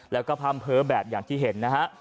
แล้วก็พร่ำเพ้อแบบอย่างที่เห็นนะฮะ